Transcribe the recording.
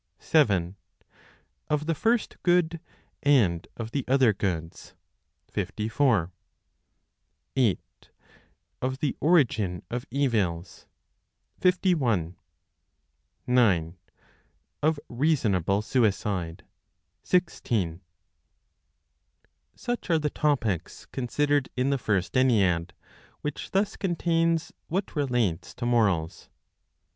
7. Of the First Good, and of the Other Goods, 54. 8. Of the Origin of Evils, 51. 9. Of (Reasonable) Suicide, 16. Such are the topics considered in the First Ennead; which thus contains what relates to morals.